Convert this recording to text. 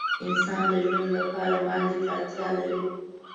انسان د ژوند لپاره مالګې ته اړتیا لري.